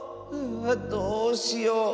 あどうしよう。